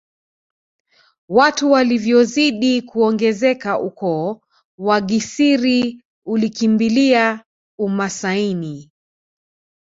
Watu walivyozidi kuongezeka ukoo wa Gisiri ulikimbilia umasaini